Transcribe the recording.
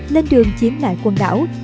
lên đường chiếm lại quần đảo